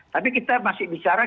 tapi kita masih bicara